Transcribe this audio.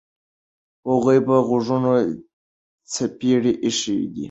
هغوی په غوږونو څپېړې ایښي دي.